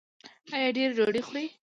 ایا ډیرې ډوډۍ خورئ؟